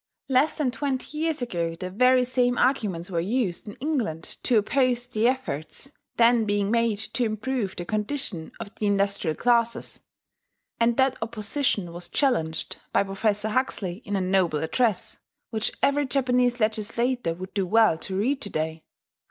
Less than twenty years ago the very same arguments were used in England to oppose the efforts then being made to improve the condition of the industrial classes; and that opposition was challenged by Professor Huxley in a noble address, which every Japanese legislator would do well to read to day.